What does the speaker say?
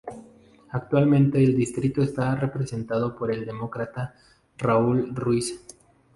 Actualmente el distrito está representado por el Demócrata Raul Ruiz.